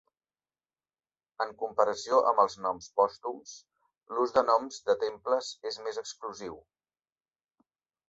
En comparació amb els noms pòstums, l'ús de noms de temples és més exclusiu.